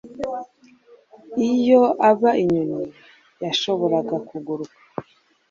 Iyo aba inyoni, yashoboraga kukuguruka.